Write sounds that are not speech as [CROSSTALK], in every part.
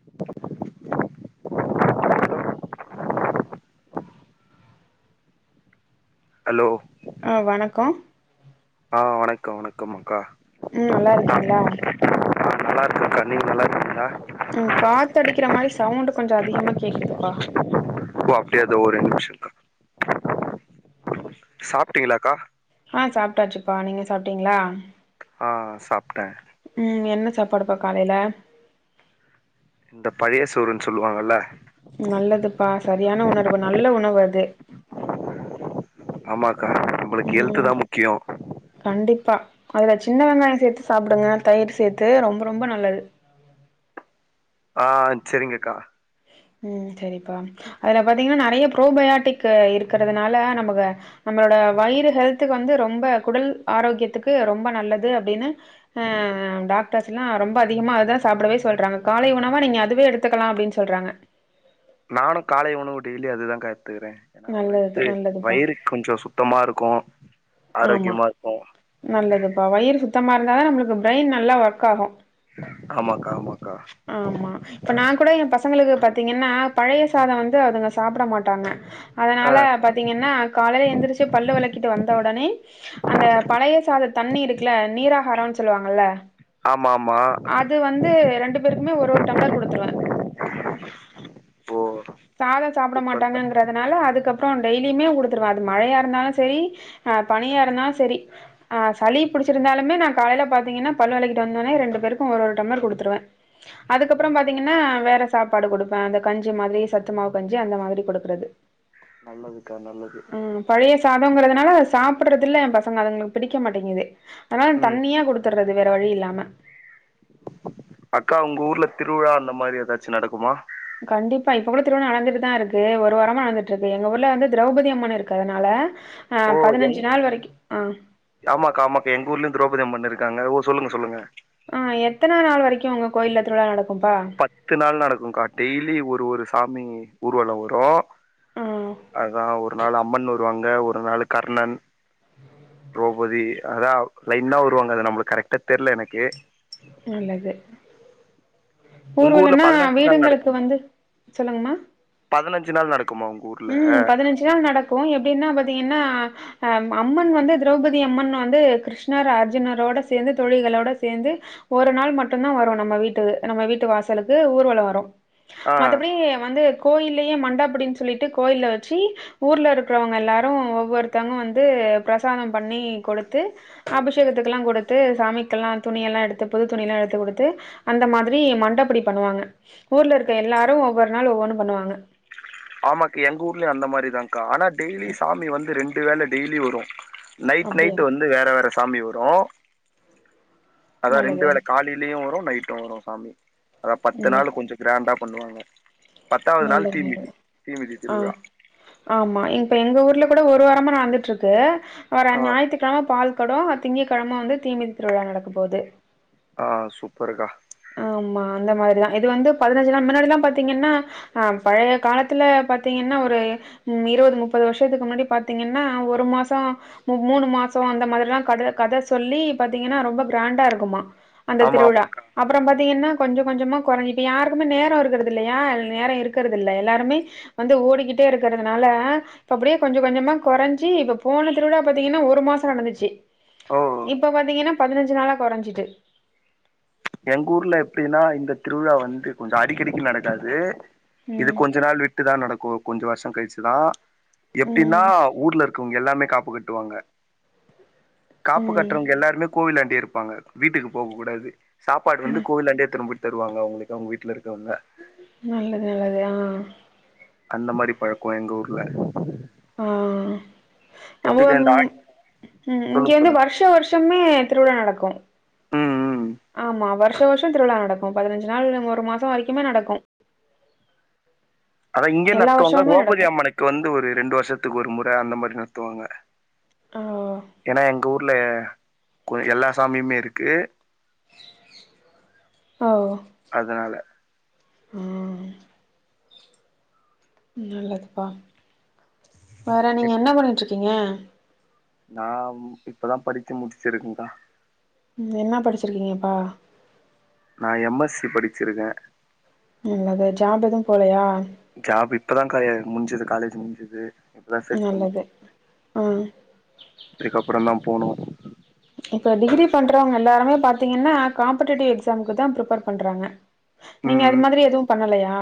[INAUDIBLE] [INAUDIBLE] Hello ஆ வணக்கோ ஆ வணக்க வணக்கம் அக்கா ம் நல்லா ருக்கீங்ளா ஆ நல்லா இருக்கங்கா நீங்க நல்லா இருங்கீங்ளா ம் காத்தடிக்கிற மாரி சவுண்ட் கொஞ்ச அதிகமா கேக்குதுப்பா ஓ அப்டியா தோ ஒரே நிமிஷக்கா சாப்பிட்டீங்ளாக்கா ஆ சாப்டாச்சுப்பா நீங்க சாப்டீங்ளா ஆ ஆ சாப்ட்டே. ம் என்ன சாப்பாடுப்பா காலைல? இந்த பழைய சோருன் சொல்லுவாங்கல்ல நல்லதுப்பா சரியான உணர்வு நல்ல உணவு அது. ஆமாக்கா நம்பளுக் ஹெல்த்து ம் தா முக்கியோ. கண்டிப்பா அதுல சின்ன வெங்காய சேத்து சாப்புடுங்க தயிர் சேத்து ரொம்ப ரொம்ப நல்லது. ஆ ஆ செரிங்கக்கா. ம் செரிப்பா அதுல பாத்திங்கன்னா நறைய ப்ரோபயாட்டிக் இருக்கறதுனால நமக்கு நம்பளோட வயிறு ஹெல்த்துக்கு வந்து ரொம்ப குடல் ஆரோக்கியத்துக்கு ரொம்ப நல்லது அப்டினு அ டாக்டர்ஸ் எல்லா ரொம்ப அதிகமா அதுதா சாப்படவே சொல்றாங்க காலை உணவா நீங்க அதுவே எடுத்துக்கலா அப்டின்ஸ் சொல்றாங்க. நானு காலை உணவு டெய்லியு அதுதாங்க்கா எட்த்துக்கிறே ஏனா நல்லது வயித்து நல்லதுப்பா. வயிறு கொஞ்சோ சுத்தமா இருக்கு ஆமா. ஆரோக்யமாருக்கு. நல்லதுப்பா வயிறு சுத்தமா இருந்தா தா நம்மளுக்கு பிரெயின் நல்லா ஒர்க் ஆகு. ஆமாக்கா ஆமாக்கா. ஆமா. இப்ப நா கூட எ பசங்களுக்கு பாத்திங்கன்னா பழைய சாதோ வந்து அதுங்க சாப்ட மாட்டாங்க. ஆ அதனால பாத்தீங்கன்னா காலைல எந்திரிச்சு பல்லு வெளக்கிட்டு வந்த ஒடனே அந்த பழைய சாத தண்ணி இருக்குல்ல நீராகாரோன் சொல்லுவாங்கல்ல. ஆமா ஆமா அது வந்து ரண்டுப் பேருக்குமே ஒரு ஒரு டம்ளர் குடுத்துருவே ஓ சாதோ சாப்பட சூப்பர்க்கா மாட்டாங்கங் கறதுனால அதுக்கப்புறோ டெய்லியிமே குடுத்துருவே அது மழையாருந்தாலு செரி அ பனியா இருந்தாலு செரி ஆ சளி புடிச்சிருந்தாலுமே நா காலைல பாத்தீங்கன்னா பல்லு வெளக்கிட்டு வந்த ஒனே ரெண்டு பேருக்கு ஒரு ஒரு டம்ளர் குடுத்துருவே. அதுக்கப்புறம் பாத்தீங்கன்னா வேற சாப்பாடு குடுப்பே அந்த கஞ்சி மாதிரி சத்து மாவு கஞ்சி அந்த மாதிரி குடுக்கறது. நல்லதுக்கா நல்லது. ம் பழைய சாதோங்கிறதுனால அத சாப்பட்றது இல்ல எம் பசங்க அதுங்களுக் பிடிக்க மாட்டிங்குது. அதனால ம் தண்ணியா குடுத்துர்றது வேற வழி இல்லாம. அக்கா உங்க ஊர்ல திருவிழா அந்த மாரி எதாச்சு நடக்குமா? கண்டிப்பா இப்ப கூட திருவிழா நடந்துட்டுதா இருக்கு ஒரு வாரமா நடந்துட்ருக்கு எங்க ஊர்ல வந்து திரௌபதி அம்மன் இருக்கு அதுனால. ஆ ஓ எங் பதினஞ்சு நாள் வரைக்கு அ ஆமாக்கா ஆமாக்கா எங்க ஊர்லியு த்ரௌப்பதி அம்மன் இருக்காங்க ஓ சொல்லுங்க சொல்லுங்க. அ எத்தனா நாள் வரைக்கு உங்க கோயில்ல திருவிழா நடக்கும்ப்பா? பத்து நாள் நடக்குங்க்கா டெய்லி ஒரு ஒரு சாமி ஊர்வலோ வரு. ஆ அதா ஒரு நாள் அம்மன் வருவாங்க ஒரு நாளு கர்ணன். த்ரோபதி அதா லைனா வருவாங்க அது நம்மளுக் கரெக்ட்டா தெர்ல எனக்கு. நல்லது. உங்க ஊர்ல ஊர்வலன்னா பதினஞ்சு நாள் வீடுங்களுக்கு வந்து சொல்லுங்மா. பதனஞ்சு நாள் நடக்குமா உங்க ஊ ம் பதினஞ்சு நாள் நடக்கு எப்டின்னா பாத்திங்கன்னா. அம் அம்மன் வந்து திரௌபதி அம்மன் வந்து கிருஷ்ணர் அர்ஜுனரோட சேந்து தோழிகளோட சேந்து ஒரு நாள் மட்டுந்தா வரு நம்ம வீட்டுகு நம்ம வீட்டு வாசலுக்கு ஊர்வலொ வரு. ஆ மத்தபடி வந்து கோயில்லியே மண்ட அப்பிடின் சொல்லிட்டு கோயில்ல வெச்சி ஊர்ல இருக்கறவங்க எல்லாரு ஒவ்வொருத்தவுங்க வந்து பிரசாதோ பண்ணி குடுத்து அபிஷேகத்துக்கல்லா குடுத்து சாமிக்கல்லா துணி எல்லா எடுத்து புது துணிலா எடுத்து குடுத்து அந்த மாதிரி மண்டப்படி பண்ணுவாங்க. ஊர்ல இருக்க எல்லாரு ஒவ்வொரு நாள் ஒவ்வொன்னு பண்ணுவாங்க. ஆமாக் எங்க ஊர்லியு அந்த மாரிதாங்க்கா ஆனா டெய்லி சாமி வந்து ரெண்டு வேள டெய்லி வரு. நைட் அப்டியா நைட் வந்து வேற வேற சாமி வரு அதா ரெண்டு நல்லது வேள காலி லியு வரு நைட்டு வரு சாமி. அதா பத்து ம் நாளு கொஞ்சோ கிராண்டா பண்ணுவாங்க. பத்தாவ்து நாள் நல்லது தீ மிதி நல்லது ஆ ஆமா இப்ப எங்க ஊர்ல கூட ஒரு வாரமா நடந்துட்ருக்கு. வர்ற ஆ ஞாயித்துக்கிழம பால் கொடோ திங்கக்கிழம வந்து தீமிதி திருவிழா நடக்க போது ஆ சூப்பர்க்கா ஆமா அந்த மாதிரிதா இது வந்து பதினஞ்சு நாள் முன்னாடிலா பாத்தீங்கன்னா ஆ பழைய காலத்துல பாத்தீங்கன்னா ஒரு ம் இருவது முப்பது வருஷத்துக்கு முன்னாடி பாத்தீங்கன்னா ஒரு மாசோ மூணு மாசோ அந்த மாரில்லா கத கத சொல்லி பாத்தீங்கன்னா ரொம்ப கிராண்டா இருக்குமா அந்த ஆமா திருவிழா ஆமாக்கா அப்பறம் பாத்தீங்கன்னா கொஞ்சோ கொஞ்சமா குறையி இப்ப யாருக்குமே நேர இருக்கிறது இல்லையா நேர இருக்குறது இல்ல எல்லாருமே வந்து ஓடிக்கிட்டே இருக்கறதுனால ப்ப அப்டியே கொஞ்சோ கொஞ்சமா குறஞ்சு இப்ப போன திருவிழா பாத்தீங்கன்னா ஒரு மாசம் நடந்துச்சு ஓ இப்ப பாத்தீங்கன்னா பதினஞ்சு நாளா குறஞ்சிட்டு எங்க ஊர்ல எப்டினா இந்த திருவிழா வந்து கொஞ்சோ அடிக்கடிக்கு நடக்காது இது ம் கொஞ்ச நாள் விட் ட்டு தா நடக்கும் கொஞ்ச வருஷ கழிச்சுதா எப்டினா ம் ஊர்ல இருக்கவங்க எல்லாமே காப்பு கட்டுவாங்க காப்பு ம் கட்டுறவங்க எல்லாருமே கோவிலாண்டேயே இருப்பங்க வீட்டுக்கு போக கூடாது சாப்பாடு வந்து ம் கோவிலாண்டே திரும்ப தருவாங்க அவுங்களுக்கு அவுங்க வீட்ல இருக்கவங்க நல்லது நல்லது ஆ அந்த மாரி பழக்கோ எங்க ஊர்ல ஆ அ எப்டிக்கா ம் இந்த ஆடி இங்க சொல்லுங்க வந்து சொல்லுங்க வருஷ வருஷ ஷமே திருவிழா நடக்கு ம் ம் ஆமா வருஷ வருஷோ திருவிழா நடக்கு பதினஞ்சு நாள் ஒரு மாசம் வரைக்குமே நடக்கு அதா இங்க எல்லா நத்துவாங்க வருஷமுமே நடக்கு [UNINTELLIGIBLE] அம்மனுக் த்து வந்து ஒரு ரெண்டு வருஷத்துக்கு ஒரு முற அந்த மாரி நடத்துவாங்க ஆ ஏனா எங்க ஊர்ல கு எல்லா சாமியுமே இருக்கு ஆ ஓ அதனால ம் நல்லதுப்பா வேற நீங்க என்ன பண்ணிட்டு இருக்கீங்க நான் இப்பதா படிச்சு முடிச்சிருக்கேங்கா என்ன படிச்சிருக்கீங்கப்பா நான் எம்எஸ்சி படிச்சிருக்கே நல்லது ஜாப் எதுவு போலயா ஜாப் இப்ப தா கா எ முடிஞ்சது காலேஜ் முடிஞ்சது இப்ப தா சர்ச் பண்ணிட்டு நல்லது இருக் ம் துக்கப்புற தா போனு இப்ப டிகிரி பண்றவங்க எல்லாருமே பாத்தீங்கன்னா காம்படேட்டிவ் எக்ஸாம்க்கு தா பிரிப்பேர் பண்றாங்க நீங்க அது ம் மாதிரி எதுவு பண்ணலையா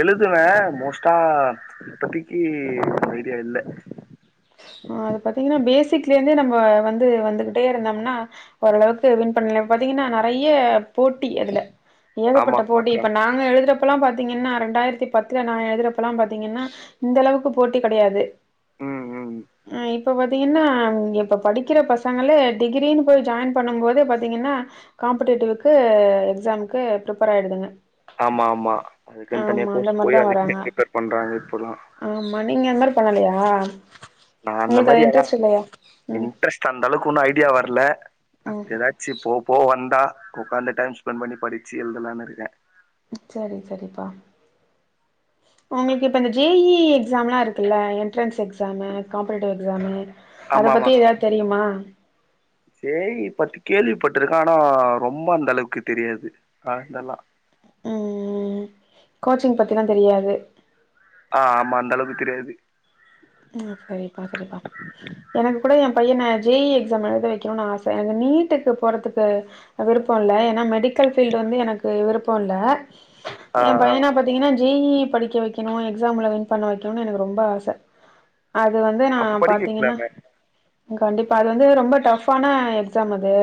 எழுதுவே மோஸ்டா இப்பத்திக்கி ஐடியா இல்ல அத பாத்தீங்கன்னா பேசிக்லேருந்தே நம்ம வந்து வந்துகிட்டே இருந்தோம்னா ஓரளவுக்கு வின் பண்ணல பாத்தீங்கன்னா நெறய போட்டி அதுல ஆமா ஏகப்பட்ட போட்டி ஆமாக்கா இப்ப நா நா எழுதுறப்பெல்லா பாத்தீங்கன்னா ரெண்டாயிரத்தி பத்துல நா எழுதுறப்பெல்லா பாத்தீங்கன்னா இந்த அளவுக்கு போட்டி கிடையாது ம் ம் ஹ இப்ப பாத்தீங்கன்னா இப்ப படிக்கிற பசங்களே டிகிரின்னு போய் ஜாயின் பண்ணும் போதே பாத்தீங்கன்னா காம்படேட்டிவ்கு எக்ஸாம்க்கு ப்ரிபேர் ஆயிடுதுங்க ஆமா ஆமா அதுக்குன் தனியா ஆமா அந்த கோர்ஸ் மாரிதா போய் வராங்க அதுக்குனு பிரிப்பேர் பண்றாங்க இப்பல்லா ஆமா நீங்க அந்மாரி பண்ணலயா நா அந்த மாரி யாரா ம் இன்ட்ரெஸ்ட் அந்தளவுக் ஒன்னு ஐடியா வர்ல ம் அப்டி எதாச்சு போ போ வந்தா உக்காந்து டைம் ஸ்பென்ட் பண்ணி படிச்சு எழுதலானுருக்கே சரி சரிப்பா [INAUDIBLE] ஒங்களுக்கு இப்ப இந்த ஜேஇ எக்ஸாம்லா இருக்குல்ல என்ட்ரன்ஸ் எக்ஸாமு காம்படேட்டிவ் எக்ஸாமு அத ஆமா பத்தி ஏதாவது தெரியுமா ஜேஇ பத்தி கேள்விப்பட்டிருக்கே ஆனா ரொம்ப அந்த அளவுக்கு தெரியாது அ இதேல்லா ம் ம் கோச்சிங் பத்திலா தெரியாது ஆ ஆமா அந்தளவுக் தெரியாது ம் செரிப்பா செரிப்பா எனக்கு கூட எ பையன ஜே இ எக்ஸாம் எழுத வைக்கணுனு ஆச எனக்கு நீட்டுக்கு போறதுக்கு விருப்போ இல்ல ஏன்னா மெடிக்கல் ஃபீல்டு வந்து எனக்கு விருப்போல்ல ஆ எ ஆ பையனா பாத்தீங்கன்னா ஜே இ படிக்க வைக்கணு எக்ஸாம்ல வின் பண்ண வைக்கணுனு எனக்கு ரொம்ப ஆச அது வந்து நா அப்ப படிக்க பாத்தீங்கன்னா வைக்கலாமே கண்டிப்பா அது வந்து ரொம்ப டஃப்பான எக்ஸாம் அது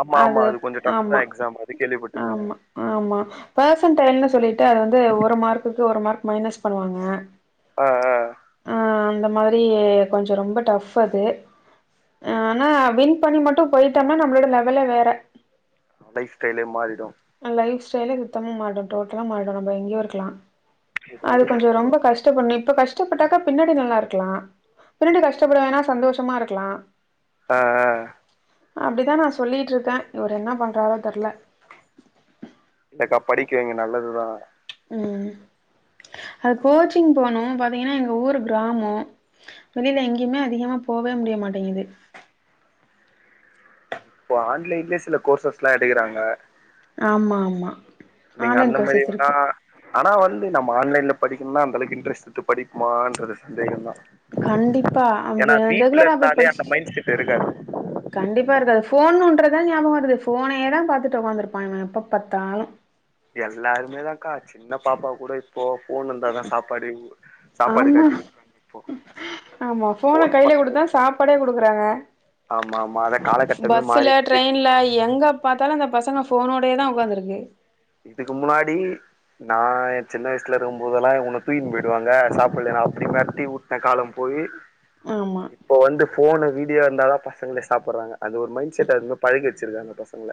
ஆமா ஆமா அது கொஞ்சோ டஃப் தா ஆமா எக்ஸாம் அது கேள்விப்பட்டிருக்கே ஆமா ஆமா ஃபர்சன்டைன் சொல்லிட்டு அது வந்து ஒரு மார்க்குக்கு ஒரு மார்க் மைனஸ் பண்ணுவாங்க ஆ ஆ அந்த மாரி கொஞ்சோ ரொம்ப டஃப் அது ஆனா வின் பண்ணி மட்டு போயிட்டம்னா நம்ளோட லெவலே வேற லைஃப் ஸ்டைலே மாறிடும் லைப் ஸ்டைலே சுத்தமா மாரிடு டோட்டலா மாரிடு நம்ப எங்கயு இருக்கலா இது அது ஒரே கொஞ்சோ நிமிஷோ ப்ரோ ரொம்ப கஷ்டப்பட்னு இப்ப கஷ்டோ டாக்கா பின்னாடி நல்லாருக்களலா பின்னாடி கஷ்டப்பட வேணா சந்தோஷமா இருக்கலா ஆஹ் அப்டித தா நா சொல்லிகிட்டுருக்கே இவர் என்ன பண்ணுறாறோ தெர்ல இல்லக்கா படிக்க வெய்ங்க நல்லதுதா ம் அது கோச்சிங் போனோ பாத்தீங்னா எங்க ஊர் கிராமோ வெளியில எங்கேயுமே அதிகமா போவே முடிய மாட்டேங்குது இப்ப ஆன்லைன்லயே சில கோர்சஸ்ல்லா எடுக்கறாங்க ஆமா ஆமா நீங்க ஆன்லைன் அந்த மாரி கோர்சஸ் வேணா இருக்கு ஆனா வந்து நம்ம ஆன்லைன்ல படிக்கனுனா அந்தளவுக்கு இன்ட்ரஸ்ட்டு படிப்பமான்றது சந்தேகம்தா கண்டிப்பா அது ரெகுலரா போய் இருந்தாலே அந்த படிச்சு மைண்ட் செட் இருக்காது கண்டிப்பா இருக்காது ஃபோன் னோன்றதா ஞாபககோ வருது ஃபோனேதா பாத்துட்டு உக்காந்துருப்பா எப்ப பாத்தாலு எல்லாருமே தக்கா சின்ன பாப்பா கூடோ இப் ப்போ போன் வந்தாதா சாப்பாடு சாப்பாடு ஆமா காட்டி வுற்றாங்க இப்போ ஆமா போன கையில பாக்க குடுத்தா வச்சுதான் சாப்பாடே குடுக்குறாங்க ஆமா ஆமா அத காலகட்டமே பஸ்ல மாறிடுச்சு ட்ரெயின்ல எங்க பார்த்தாலு அந்த பசங்க ஃபோனோடே தா உக்காந்துருக்கு இதுக்கு முன்னாடி நா எ சின்ன வயசுல இருக்கு போதெல்லா உன்ன தூக்கின் போயிடுவாங்க சாப்டலனா அப்டி மெரட்டி ஊ என் காலம் போயி ஆமா இப்போ வந்து போனு வீடியோ வந்தாதா பசங்களே சாப்பற்றாங்க அது ஒரு மைண்ட செட் அது பழகி வச்சிருக்காங்க பசங்ள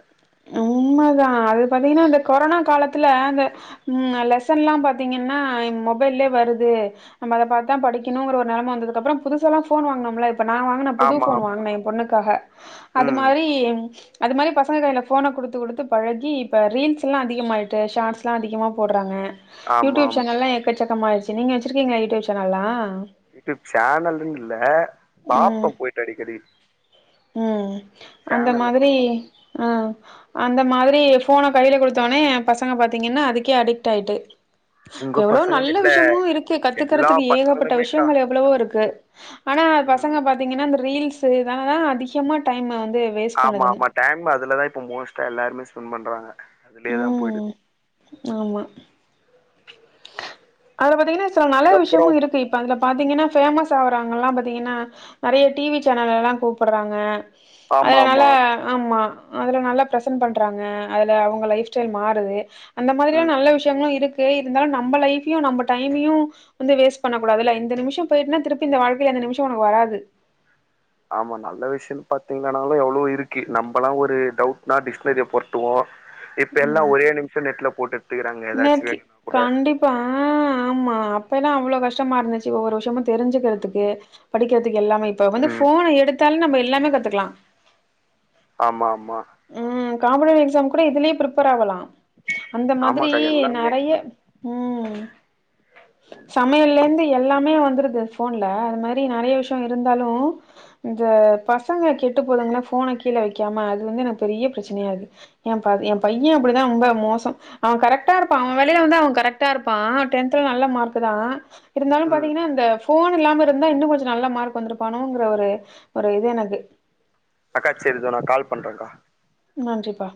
உண்மை தா அது பாத்தீங்கனா இந்த கொரோனா காலத்துல அந்த ம் லெசன்லா பாத்தீங்கன்னா மொபைல்லே வருது நம்மல பாத்தா படிக்கணுங்ற ஒரு நெலம வந்ததுக்கப்பறோ புதுசல்லா ஃபோன் வாங்கினோம்ல ப்ப நா வாங்குன புது ஆமா ஃபோன் ஆமா வாங்குன எ பொண்ணுக்காக அது ம் மாரி அது மாரி பசங்க கைல ஃபோன குடுத்து குடுத்து பழகி இப்போ ரீல்ஸ்லா அதிகமாகிட்டு ஷார்ட்ஸ்லா அதிகமா போடுறாங்க ஆமா யூட்டுப் ஆமா சேனல்லா எக்கச்சக்கமா ஆய்ச்சு நீங்க வச்சிருக்கீங்களா யூட்டுப் சேனல்லா யூடியூப் சேனல்ன்னு இல்ல பாப்ப ம் போயிட்டு அடிக்கடி ம் அந்த சேனலுங்களா மாதிரி அஹ் அந்த மாதிரி போன கையில குடுத்தோனே பசங்க பாதீங்கன்னா அதுக்கே அடிக்ட் ஆயிட்டு உங்க இப்ப எவ்வளோ பசங்கன்னு நல்ல இல்ல விஷயமு இருக்கு எல்லா கத்துக்கறதுக்கு ஏகப்பட்ட பசங்களுமேக்கா விஷயங்கள் எவ்ளோவோ இருக்கு ஆனா ம் பசங்க பாத்தீங்கன்னா அந்த ரீல்ஸ்னால தா அதிகமா டைமு வந்து வேஸ்ட் ஆமா பண்ணுதுங்க ஆமா டைம் அதுலதா இப்ப மோஸ்டா எல்லாருமே ஸ்பெண்ட் பண்றாங்க அதுலயே தா ம் போய்டுது ஆமா அதுல பாத்தீங்னா சில நல்ல அதுக்கப்புறோ விஷயமும் இருக்கு இப்ப அதுல பாத்தீங்கன்னா பேமஸ் ஆகறாங்கல்லா பாத்தீங்கன்னா நெறைய டி வி சேனல் எல்லா கூப்படறாங்க ஆமா அதனால ஆமா ஆமா அதுல நல்லா ப்ரசன்ட் பண்றாங்க அதுல அவங்க லைஃப் ஸ்டைல் மாறுது அந்த மாதிரியான ம் நல்ல விஷயங்களு இருக்கு இருந்தாலு நம்ம லைஃப் பியு நம்ம டைமையு வந்து வேஸ்ட் பண்ண கூடாதுல்ல இந்த நிம்ஷொ போயிட்டுனா திருப்பி இந்த வாழ்க்கில இந்த நிமிஷொ ஒன்னு வராது ஆமா நல்ல விஷயொனு பாத்தீங்னனாலு எவ்ளவோ இருக்கு நம்பல்லா ஒரு டவுட்னா டிஸ்னரிய பொரட்டுவோ இப்ப எல்லா ம். ஒரே நிமிஷோ நெட்ல போட்டுட் பெய்றாங்க எதாச்சு வேணுனா கூட ப்ப அ ஆமா அப்பெல்லா அவ்ளோ கஷ்டமா இருந்துச்சு ஒவ்வொரு விஷயமு ம் தெரிஞ்சுக்கிறதுக்கு படிக்கிறதுக்கு எல்லாமே இப்ப வந்து ம் ஃபோன எடுத்தால நம்ம எல்லாமே கத்துக்கலா ஆமா ஆமா ம் காம்படட்டிவ் எக்ஸாம் கூட இதுலயே பிரிஃப்பர் ஆகலாம் அந்த மாதிரி ஆமாக்கா எல்லாமே நெறைய ம் சமையலருந்து எல்லாமே வந்துருது ஃபோன்ல அது மாரி நெறைய விஷயோ இருந்தாலு ஜ பசங்க கெட்டு போதுங்குளா ஃபோன கீழே வைக்காம அதுலந்து எனக் பெரிய பிரச்சனையாகுது எ ப எ பைய அப்படிதா ரொம்ப மோசோ அவ கரெக்ட்டாருப்பா அவ வேலையில வந்து அவ கரெக்ட்டாருப்பா அவ டென்த்ல நல்ல மார்க்தா இருந்தாலு ம் பாத்தீங்கன்னா அந்த ஃபோன் இல்லாம இருந்தா இன்னு கொஞ்சொ நல்லா மார்க் வந்துருப்பானோங்ககுற ஒரு ஒரு இது எனக்கு அக்கா சர் இதோ நா கால் பண்றங்கா நன்றிப்பா